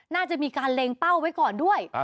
น่าจะมีการเล็งเป้าไว้ก่อนด้วย